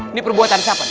ini perbuatan siapa nih